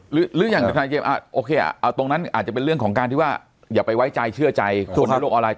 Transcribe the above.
หรืออย่างทนายเจมส์โอเคเอาตรงนั้นอาจจะเป็นเรื่องของการที่ว่าอย่าไปไว้ใจเชื่อใจคนในโลกออนไล